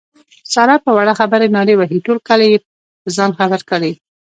ساره په وړه خبره نارې وهي ټول کلی په ځان خبر کړي.